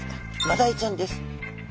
マダイちゃんです。